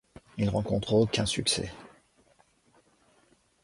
Il rencontre aucun succès.